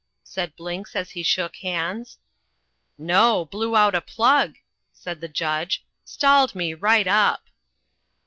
said Blinks as he shook hands. "No, blew out a plug!" said the Judge. "Stalled me right up."